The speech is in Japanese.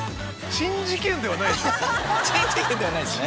珍事件ではないですね。